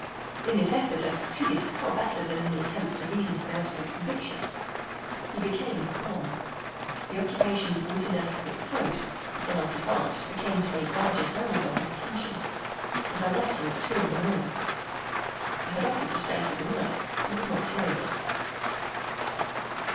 In this effort I succeeded far better than in the attempt to reason him out of his conviction. He became calm; the occupations incidental to his post as the night advanced began to make larger demands on his attention: and I left him at two in the morning. I had offered to stay through the night, but he would not hear of it.